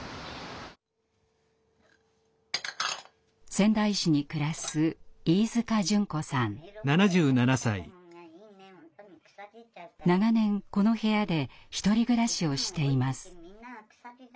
仙台市に暮らす長年この部屋で１人暮らしをしています。